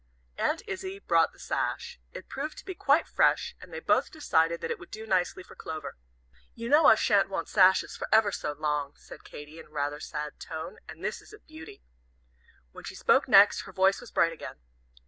Aunt Izzie brought the sash. It proved to be quite fresh, and they both decided that it would do nicely for Clover. "You know I sha'n't want sashes for ever so long," said Katy, in rather a sad tone, "And this is a beauty." When she spoke next, her voice was bright again.